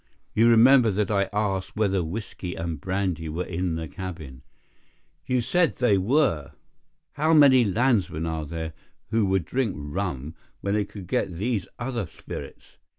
You remember that I asked whether whisky and brandy were in the cabin. You said they were. How many landsmen are there who would drink rum when they could get these other spirits?